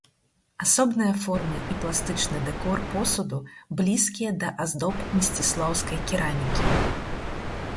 Асобныя формы і пластычны дэкор посуду блізкія да аздоб мсціслаўскай керамікі.